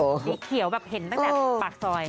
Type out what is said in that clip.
สีเขียวแบบเห็นตั้งแต่ปากซอย